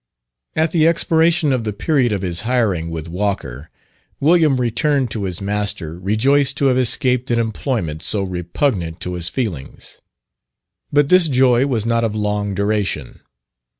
At the expiration of the period of his hiring with Walker, William returned to his master rejoiced to have escaped an employment so repugnant to his feelings. But this joy was not of long duration.